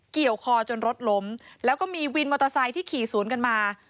เกี่ยวคอจนรถล้มแล้วก็มีวินมอเตอร์ไซค์ที่ขี่สวนกันมา